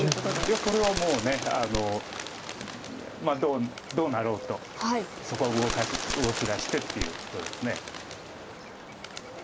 いやこれはもうどうなろうとそこは動きだしてっていうことです。